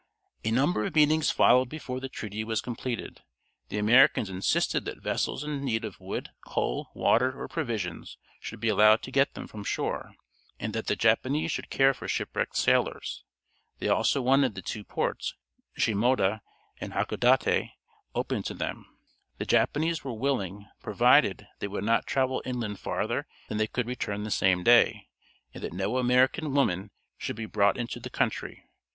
A number of meetings followed before the treaty was completed. The Americans insisted that vessels in need of wood, coal, water, or provisions should be allowed to get them from shore, and that the Japanese should care for shipwrecked sailors. They also wanted the two ports, Shimoda and Hakodate, opened to them. The Japanese were willing, provided they would not travel inland farther than they could return the same day, and that no American women should be brought into the country.